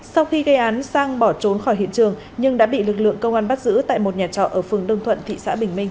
sau khi gây án sang bỏ trốn khỏi hiện trường nhưng đã bị lực lượng công an bắt giữ tại một nhà trọ ở phường đông thuận thị xã bình minh